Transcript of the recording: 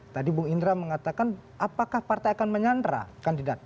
tadi bung indra mengatakan apakah partai akan menyandra kandidat